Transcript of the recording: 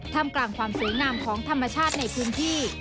ทำกลางความสวยงามของธรรมชาติในพื้นที่